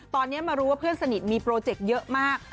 ตอนนี้มารู้ว่าเพื่อนสนิทมีโปรเจกต์เยอะมาก